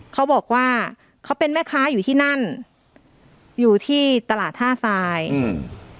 เขาบอกว่าเขาเป็นแม่ค้าอยู่ที่นั่นอยู่ที่ตลาดท่าทรายอืม